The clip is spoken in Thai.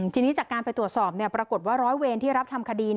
ทีนี้จากการไปตรวจสอบปรากฏว่าร้อยเวรที่รับทำคดี